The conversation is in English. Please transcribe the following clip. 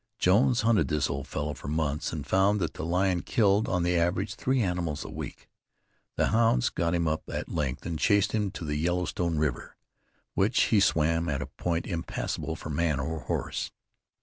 Jones hunted this old fellow for months, and found that the lion killed on the average three animals a week. The hounds got him up at length, and chased him to the Yellowstone River, which he swam at a point impassable for man or horse.